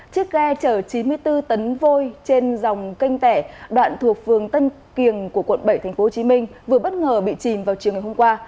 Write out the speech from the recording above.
chiếc ghe chở chín mươi bốn tấn vôi trên dòng kênh tẻ đoạn thuộc phường tân kiềng của quận bảy tp hcm vừa bất ngờ bị chìm vào chiều ngày hôm qua